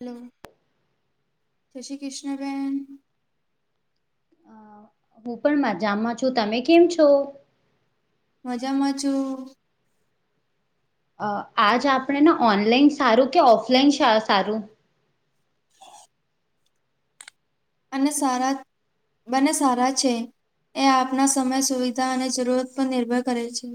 Hello, જય શ્રી કૃષ્ણબેન. હું પણ મજામાં છું. તમે કેમ છો? મજામાં છું. અ આજ આપણે ને ઓનલાઈન સારું કે ઓફલાઈન સારું? અને સારા. બને સારા છે. એ આપના સમય સુવિધા અને જરૂરત પર નિર્ભર કરે છે.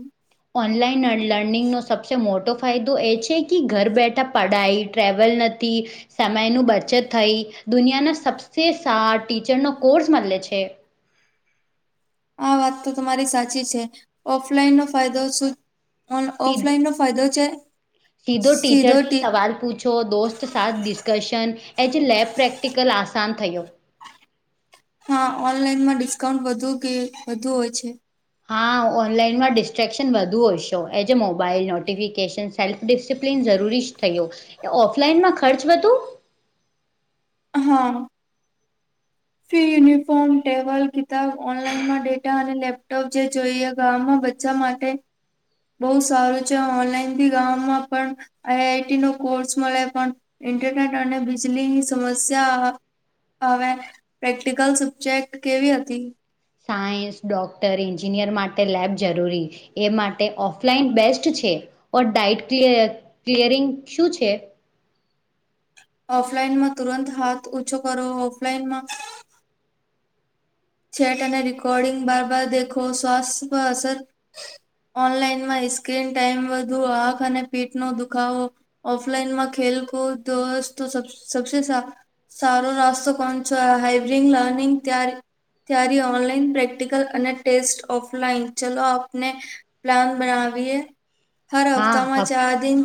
ઓનલાઈન લર્નિંગનો સબથી મોટો ફાયદો એ છે કે ઘર બેઠા પઢાય. ટ્રેવલ નથી. સમયનું બચત થઈ, દુનિયાના સબસે સારા ટીચરનો કોર્સ મળે છે. આ વાત તો તમારી સાચી છે. ઓફલાઈન નો ફાયદો શું? સીધ ઓફલાઈન નો ફાયદો છે, સીધો ટ છો દોસ્ત, સાથ, ડિસ્કશન, એ જે લેબ પ્રેક્ટિકલ આસાન થયો. હા, ઓનલાઈનમાં ડિસ્કાઉન્ટ વધુ કે વધુ હોય છે. હા, ઓનલાઈનમાં ડિસ્ટ્રેક્શન વધુ હશો, એ જ મોબાઈલ નોટિફિકેશન્સ. સેલ્ફ ડિસિપ્લિન જરૂરી જ થયો. એ, ઓફલાઈનમાં ખર્ચ વધુ હા. ફી, યુનિફોર્મ, ટેબલ, કિતાબ. ઓનલાઈન માં ડેટા અને લેપ. તો જે જોઈએ ગામમાં બચ્ચા માટે. બહુ સારું છે, ઓનલાઈન થી ગામમાં પણ આઈઆઈટી નો કોર્સ મળે, પણ ઇન્ટરનેટ અને બીજલીની સમસ્યા. હવે પ્રેક્ટિકલ સબ્જેક્ટ કેવી હતી? સાયન્સ, ડોક્ટર, એન્જિનિયર માટે લેબ જરૂરી. એ માટે ઓફલાઈન બેસ્ટ છે. ઓ, ડાઇટ ક્લ ક્લિયરિંગ શું છે? ઓફલાઈનમાં તુરંત હાથ ઓછો કરો. ઓફલાઈનમાં છેટ અને રિકર્ડિંગ બાર બાર દેખો, સ્વાસ્થ્ય પર અસર. ઓનલાઈનમાં સ્ક્રીન ટાઈમ વધુ, આંખ અને પીઠ નો દુખાવો. ઓફલાઈનમાં ખેલકૂદ તો સબ સારો રસ્તો કોણ છો? હાઈબ્રિંગ લર્નિંગ ત્યારે. ત્યારે ઓનલાઈન પ્રેક્ટિકલ અને ટેસ્ટ ઓફલાઈન. ચલો આપને. પ્લાન બનાવીએ, હર હા હફ્તામાં હફ ચાર દિન.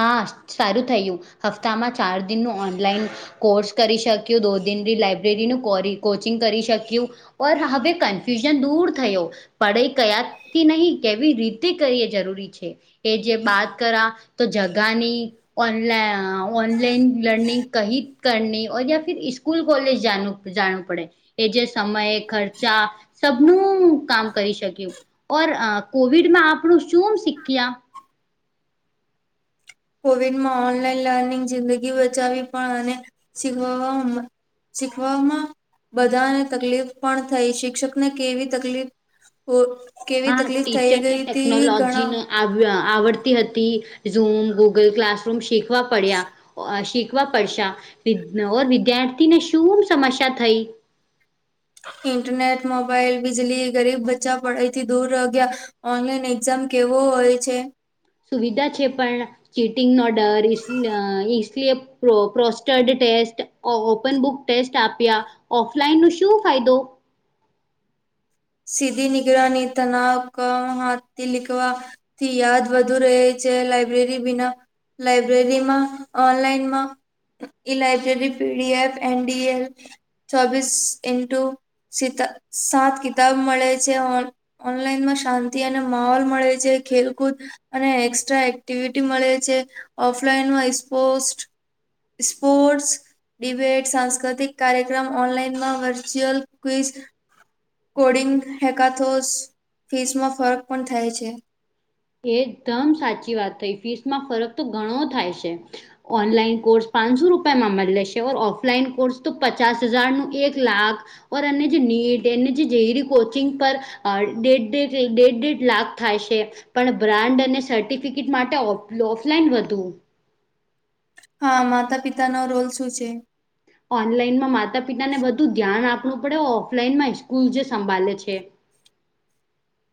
હા, સારું થયું. હપ્તામાં ચાર દિનનું ઓનલાઈન. કોર્સ કરી શક્યું, દો દિન લાઈબ્રેરીનું કોરી કોચિંગ કરી શક્યું. પર હવે કન્ફ્યુઝન દૂર થયો. પડે ક્યાંથી નહીં, કેવી રીતે કરીએ જરૂરી છે? એ જે બાત કરા તો જગાની ઓન ઓનલાઈન લર્નિંગ કહી કરની યા સ્કૂલ કોલેજ જાણું જાણું પડે એ જે સમય ખર્ચા સબનું કામ કરી શક્યું ઓર અ કોવિડમાં આપનું શુંમ શીખ્યા કોવિડમાં ઓનલાઈન લર્નિંગ જિંદગી બચાવી પણ આને શીખ શીખવામાં બધાને તકલીફ પણ થઈ શિક્ષકને કેવી તકલીફ ઓ કેવી હા તકલીફ થઈ ટીચરને ગઈ હતી ઘણા ટેકનોલોજીને આવ આવડતી હતી ઝૂમ ગૂગલ ક્લાસરૂમ શીખવા પડ્યા શીખવા પડશે વિધા ઓર વિદ્યાર્થીને શું સમસ્યા થઈ ઇન્ટરનેટ મોબાાઈલ બિજલી ગરીબ બચ્ચા પડાઈથી દૂર ર ગયા ઓનલાઈન એક્ઝામ કેવો હોય છે સુવિધા છે પણ ચીટિંગ નોડર ઈસ લીયે પ્રોસ્ટર્ડ ટેસ્ટ ઓપન બુક ટેસ્ટ આપ્યા ઓફલાઈન નો શું ફાયદો સીધી નિગરાની તનાવ ક હાથી લીખવા થી યાદ વધુ રહે છે લાઈબ્રેરી બીના લઇબ્રેરીમાં ઓનલાઈનમાં e library PDF N D L ચોબીસ ઇન્ટુ સીતા સાત ક બ મળે છે ઓનલાઈનમાં શાંતિ અને માહોલ મળે છે ખેલકૂદ અને એક્સ્ટ્રા એક્ટિવિટી મળે છે ઓફલાઈનમાં સ્પોસ્ટ સ્પોર્ટ્સ ડિબેટ સાંસ્કૃતિક કાર્યક્રમ ઓનલાઈનમાં વર્ચ્યુઅલ ક્વીઝ કોડિંગ હેકાથોસ ફીસમાં ફરક પણ થાય છે એકદમ સાચી વાત થઈ ફીસમાં ફરક તો ઘણો થાય છે ઓનલાઈન કોર્સ પાંચસો રૂપિયામાં મળી લેશે ઓર ઓફલાઈન કોર્સ તો પચાસ હજાર નો એક લાખ ઓર એને જ નીટ એને જ જઈ ર કોચિંગ પર અ દેઢ દેડ દેડ દેડ લાખ થાય છે પણ બ્રાન્ડ અને સર્ટિફિકેટ માટે ઓ ઓફલાઈન વધું હા માતા પિતા નો રોલ શું છે ઓનલાઈનમાં માતા પિતાને બધુ ધ્યાન આપવું પડે ઓફલાઈનમાં સ્કૂલ જે સંભાલે છે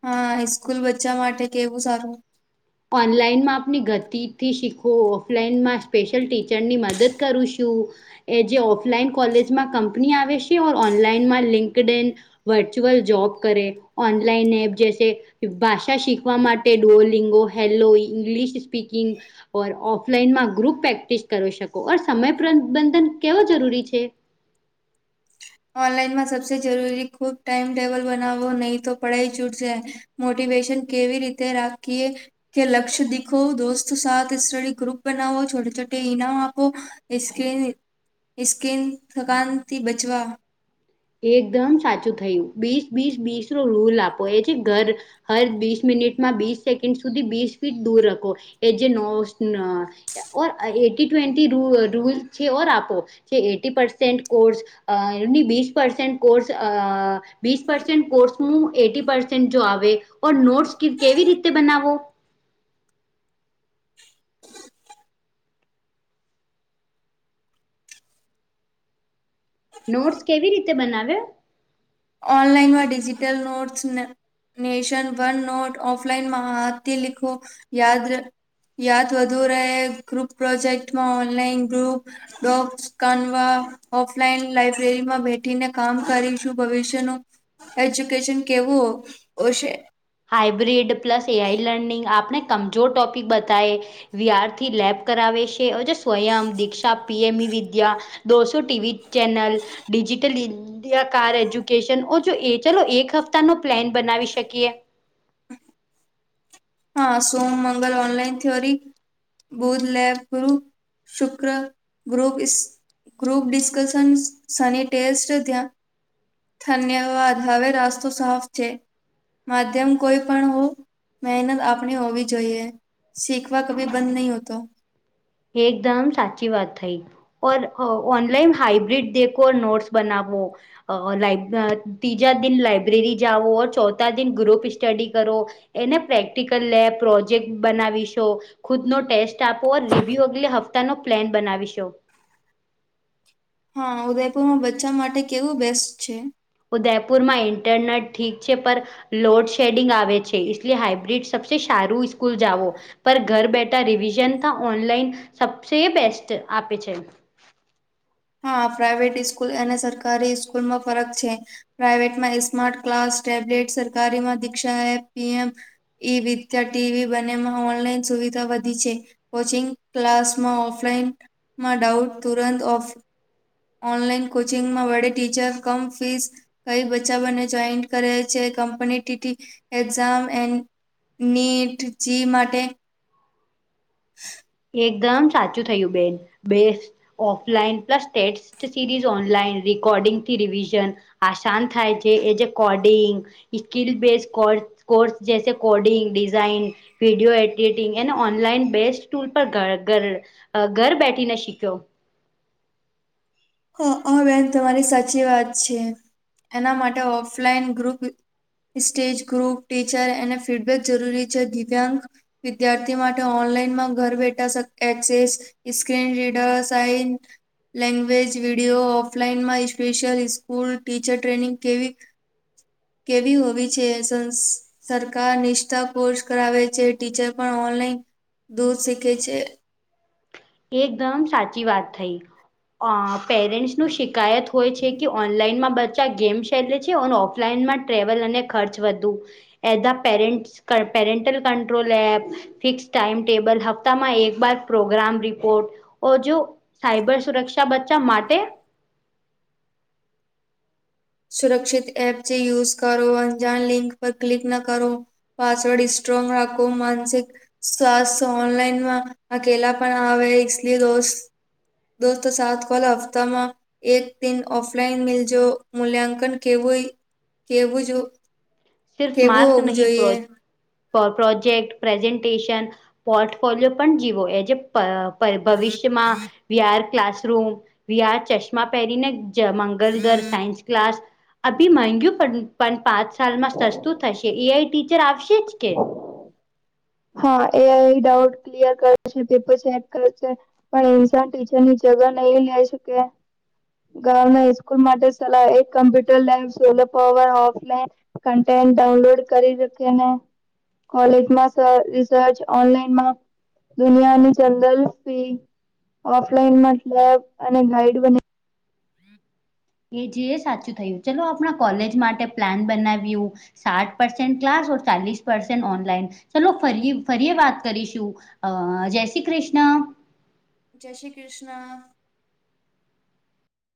હા સ્કૂલ બચ્ચા માટે કેવું સારું ઓનલાઈનમાં આપની ગતિથી શીખો ઓફલાઈનમાં સ્પેશિયલ ટીચરની મદદ કરું છું એ જે ઓફલાઈન કોલેજમાં કંપની આવે છે ઓર ઓનલાઈનમાં લિંકડ ઇન વર્ચુઅલ જોબ કરે ઓનલાઈન એપ જૈસે ભાષા શીખવા માટે ડોલિંગો હેલો ઇંગ્લિશ સ્પીકિંગ ઓર ઓફલાઈનમાં ગ્રુપ પ્રેક્ટિસ કરી શકો ઓર સમય પ્રબંધન કેવો જરૂરી છે ઓનલાઈનમાં સબસે જરૂરી ખૂબ ટાઈમ ટેબલ બનાવવો નહી તો પડાઈ છૂટશે મોટિવેશન કેવી રીતે રાખીએ કે લક્ષ્ય દીખો દોસ્ત સા સ્ટડી ગ્રુપ બનાવો છોટે છોટે ઇનામ આપો કીન સ્કીન થકાનથી બચવા એકદમ સાચું થયું બીસ બીસ બીસ નો રૂલ આપો એ છે ઘર હર બીસ મિનિટમાં બીસ સેકન્ડ સુધી બીસ ફીટ દૂર રખો એ જે નો ઓર એટી ટ્વેન્ટી ર રૂલ છે ઓર આપો જે એટી પસેન્ટ કોર્સની અ બીસ પરસેન્ટ કોર્સ અ વીસ પર્સેન્ટ કોર્સનૉ એટી પર્સેન્ટ જો આવે ઓ નોટસ કેવી રીતે બનાવો નોટસ કેવી રીતે બનાવે ઓનલાઈનમાં ડિજીિટલ નોટસને નેશન વન નોટ ઓફલાઈનમાં હાથ લિખો યાદર યાદ વધુ રહે ગ્રુપ પ્રોજેક્ટમાં ઓનલાઈન ગ્રુપ ડોગ્સ કનવા ઓફલાઈન લાઈબ્રેરીમાં બેઠીને કામ કરીશું. ભવિષ્યનું એજ્યુકેશન કેવું ઓશે hybrid plus A. I. Learning આપને કમજોર ટોપિક બતાય વિધાર્થી લેબ કરાવે છે સ્વયં દીક્ષા પી. એમ. મી. વિદ્યા દોસો ટીવી ચેનલ ડિજિટલ કાર એજ્યુકેશન ઓ જો એ ચલો એક હપ્તાનો પ્લેન બનાવી શકીએ. હા સોમ મંગલ ઓનલાઇન થીયોરી બુધ લેબ ગુરુ શુક્ર ગ્રુપ ઇસ ગ્રુપ ડિસ્કશન શની ટેસ્ટ ત્યાં ધન્યવાદ હવે રાસ્તો સાફ છે માધ્યમ કોઈ પણ હો મહેનત આપણે હોવી જોઈએ શીખવા કભી બંધ નહીં હોતો. એકદમ સાચી વાત થઈ ઓન ઓનલાઈન હાઈબ્રિડ દેખો નોટસ બનાવો. અ લાઇબ ના ત્રીજા દિન લાઇબ્રેરી જાઓ ચોથા દિન ગ્રુપ સ્ટડી કરો એને પ્રેક્ટિકલ લેબ પ્રોજેક્ટ બનાવીશો ખુદ નો ટેસ્ટ આપો લી પીયોપી હપ્તાનો પ્લેન બનાવીશો. હા ઉદયપુરમાં બચ્ચા માટે કેવું બેસ્ટ છે. ઉદયપુરમાં ઇન્ટરનેટ ઠીક છે પર લોડ શેડિંગ આવે છે ઇસલે હાઈબ્રિડ સબસે સારું સ્કૂલ જાવો. પર ઘર બેઠા રિવિઝન ત ઓનલાઈન સબસે બેસ્ટ આપે છે. હા પ્રાઈવેટ ઈસ્કૂલ અને સરકારી ઈસ્કૂલમાં ફરક છે. પ્રાઈવેટમાં ઈસ્માર્ટ ક્લાસ ટેબ્લેટ સરકારીમાં દીક્ષાએ પી. એમ. ઈ વિદ્યા ટીવી બનેમાં ઓનલાઈન સુવિધા વધી છે. કોચિંગ ક્લાસમાં ઓફલાઈનમાં ડાઉટ તુરંત ઓફ ઓનલાઈન કોચિંગમાં વડે ટીચર કમ ફીસ કઈ બચ્ચા બંને જોઈન કરે છે competitive exam N NEET JEE માટે. [inaudible] એકદમ સાચું થયું બેન બે offline plus test series online recording થી રિવિઝન આશાન થાય છે એ જે coding skill base core course જૈસે કોડિંગ ડિઝાઇન વિડીયો એડિટિંગ એને ઓનલાઈન બેસ્ટ ટુલ પર ઘર ઘર બેઠીને શીખ્યો. હ આ બેન તમારી સાચી વાત છે એના માટે offline group stage group teacher એને ફીડબેક જરૂરી છે દિવ્યાંગ વિદ્યાર્થી માટે ઓનલાઈનમાં ઘર બેઠા access screen reader sign language video offline માં ઈસ્પેશિયલ સ્કૂલ ટીચર ટ્રેનિંગ કેવી કેવી હોવી છે એસસન્સ સરકાર નિષ્ઠા કોર્સ કરાવે છે ટીચર પણ ઓનલાઈન દૂર શીખે છે. એકદમ સાચી વાત થઈ અ પેરેન્ટ્સ નું શી શિકાયત હોય છે કે ઓનલાઈનમાં બ ગેમ શેલે છે ઓન ઓફલાઈનમાં ટ્રેવલ અને ખર્ચ વધુ as parent parental control app fix time table હપ્તામાં એક બર પ્રોગ્રામ રિ કોટ ઓ જો સાયબર સુરક્ષા બચ્ચા માટે સુરક્ષિત એપ જે યુઝ કરો અણજાણ લિંક પર ક્લિક ન કરો. પાસવર્ડ સ્ટ્રોંગ રાખો માનસિક શાસ ઓનલાઈનમાં અકેલા પણ આવે ઇલી દોસ દોસ્તો સાત કલ હફતામાં એક દિન ઓફલાઈન મિલજો. મૂલ્યાંકન કેવું-કેવું જો સિર્ફ કેવું માર્ક હોવું નહીં જોઈએ? પ્રો પ્રોજેક્ટ પ્રેઝન્ટેશન પોર્ટફોલિયો પણ જીવો એજ એ ભવિષ્યમાં વ્યાર ક્લાસરૂમ વ્યાર ચશ્મા પહેરીને મંગલ ઘર સાયન્સ ક્લાસ અભીગ પણ પાંચ સાલમાં સસ્તું થશે એઆઈ ટીચર આવશે. જ કે [inaudible] હા એ આઈ ડાઉટ ક્લિયર કરશે, પેપરેક કરશે પણ ઇન્સાન ટીચર ની જગ નહી લે શકે. ગામના સ્કૂલ માટે સલાહ એક computer lab, solar power offline content download કરી રાખેને, કોલેજમાં રિસર્ચ ઓનલાઈનમાં દુનિયાની જંદલ ફી ઓફલાઈન મતલબ અને ગાઈડ બને. એ જે એ સાચું થયું ચલો આપણા કોલેજ માટે પ્લાન બનાવ્યું. સાત પર્સેન્ટ ક્લાસ ઓ ચાલીસ પસેન્ટ ઓનલાઈન, ચલો ફરી ફરીએ વાત કરીશું. અ જય શ્રી કૃષ્ણ. જય શ્રી કૃષ્ણ.